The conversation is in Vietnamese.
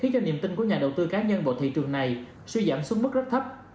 đồng sinh của nhà đầu tư cá nhân bộ thị trường này suy giảm xuất mức rất thấp